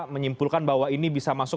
menyimpulkan bahwa ini bisa masuk